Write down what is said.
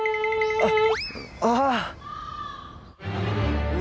あっ！